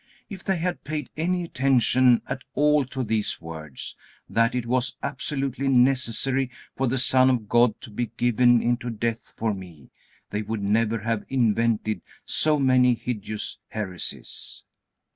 If they had paid any attention at all to these words, that it was absolutely necessary for the Son of God to be given into death for me, they would never have invented so many hideous heresies.